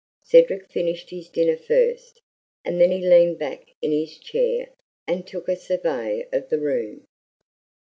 Cedric finished his dinner first, and then he leaned back in his chair and took a survey of the room.